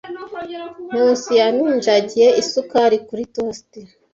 Nkusi yaminjagiye isukari kuri toast.